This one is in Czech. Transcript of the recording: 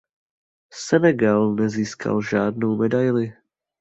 Senegal nezískal žádnou medaili.